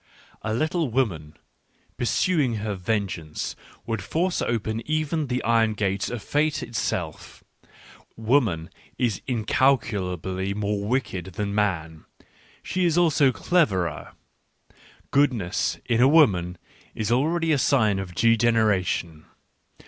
.. A little woman, pursuing her vengeance, would force open even the iron gates of Fate itself. Woman is incal culably more wicked than man, she is also cleverer. Goodness in a woman is already a sign of degenera tion.